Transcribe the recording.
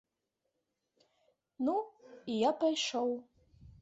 Ну, і я пайшоў.